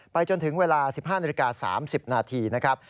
ไปจนถึงเวลา๑๕นาที๓๐นาทีนะครับ